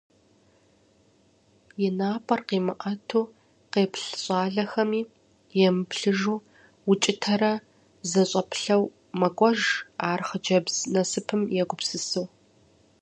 И напӏэр къимыӏэту, къеплъ щӏалэхэми емыплъыжу, укӏытэрэ зэщӏэплъэу мэкӏуэж ар хъыджэбз насыпым егупсысу.